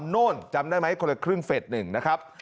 โน่นจำได้ไหมคนละครึ่งเฟส๑นะครับ